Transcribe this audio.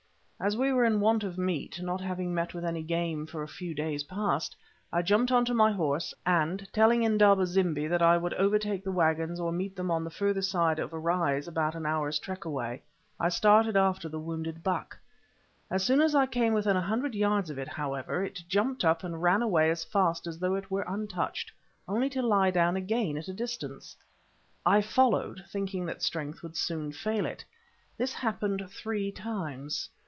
As we were in want of meat, not having met with any game for a few days past, I jumped on to my horse, and, telling Indaba zimbi that I would overtake the waggons or meet them on the further side of a rise about an hour's trek away, I started after the wounded buck. As soon as I came within a hundred yards of it, however, it jumped up and ran away as fast as though it were untouched, only to lie down again at a distance. I followed, thinking that strength would soon fail it. This happened three times.